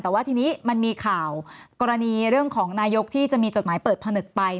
แต่ว่าทีนี้มันมีข่าวกรณีเรื่องของนายกที่จะมีจดหมายเปิดผนึกไป